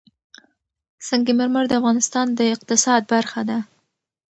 سنگ مرمر د افغانستان د اقتصاد برخه ده.